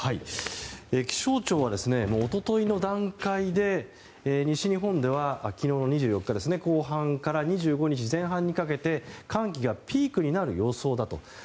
気象庁は一昨日の段階で西日本では昨日の２４日後半から２５日前半にかけて寒気がピークになる予想だと。